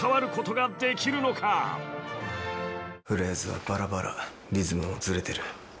フレーズはバラバラリズムもずれてる。